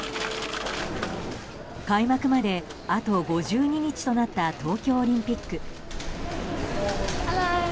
開幕まであと５２日となった東京オリンピック。